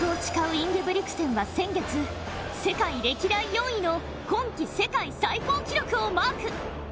インゲブリクセンは先月、世界歴代４位の今季世界最高記録をマーク。